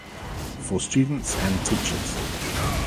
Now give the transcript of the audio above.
For Students and Teachers